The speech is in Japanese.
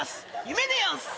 夢でやんす！